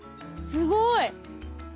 すごい！